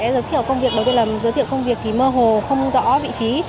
giới thiệu công việc đầu tiên là giới thiệu công việc thì mơ hồ không rõ vị trí